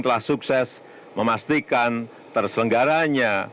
telah sukses memastikan terselenggaranya